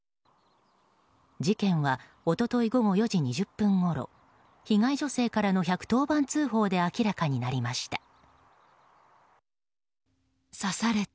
事件は一昨日午後４時２０分ごろ被害女性からの１１０番通報で明らかになりました。